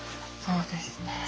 そうですね。